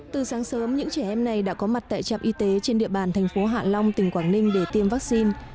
từ sáng sớm những trẻ em này đã có mặt tại trạm y tế trên địa bàn thành phố hạ long tỉnh quảng ninh để tiêm vaccine